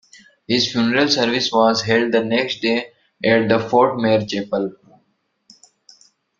His funeral service was held the next day at the Fort Meyer Chapel.